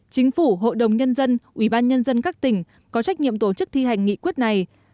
chính phủ hội đồng nhân dân ủy ban nhân dân các tỉnh có trách nhiệm tổ chức thi hành nghị quyết này